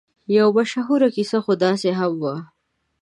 یوه مشهوره کیسه خو داسې هم وه.